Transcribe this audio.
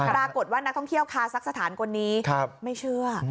ปรากฏว่านักท่องเที่ยวคาซักสถานคนนี้ไม่เชื่อ